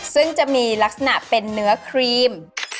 ซึ่งจะมีลักษณะเป็นเนื้อครีม